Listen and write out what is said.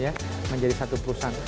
ya menjadi satu perusahaan